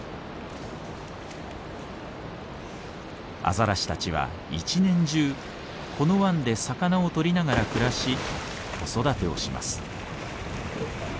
アザラシたちは一年中この湾で魚をとりながら暮らし子育てをします。